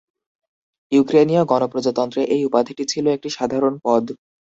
ইউক্রেনীয় গণপ্রজাতন্ত্রে এই উপাধিটি ছিল একটি সাধারণ পদ।